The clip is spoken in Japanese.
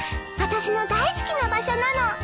私の大好きな場所なの。